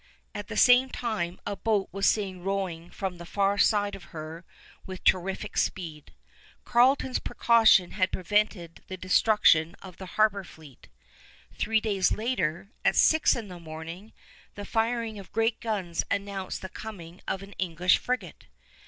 At the same time a boat was seen rowing from the far side of her with terrific speed. Carleton's precaution had prevented the destruction of the harbor fleet. Three days later, at six in the morning, the firing of great guns announced the coming of an English frigate.